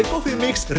lain selain dokter